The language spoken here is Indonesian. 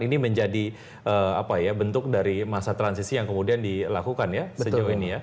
ini menjadi bentuk dari masa transisi yang kemudian dilakukan ya sejauh ini ya